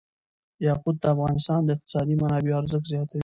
یاقوت د افغانستان د اقتصادي منابعو ارزښت زیاتوي.